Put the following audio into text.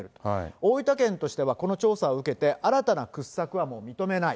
大分県としては、この調査を受けて、新たな掘削はもう認めない。